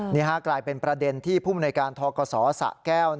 นี่กลายเป็นประเด็นที่ภูมิในการทกศสะแก้ว